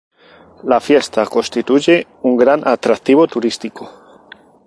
La fiesta constituye un gran atractivo turístico.